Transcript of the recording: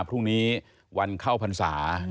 พรุ่งนี้วันเข้าพรรษา